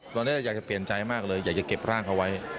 ตอนนี้อยากจะเปลี่ยนใจมากเลยอยากจะเก็บร่างเขาไว้